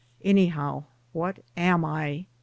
Anyhow, what am I ?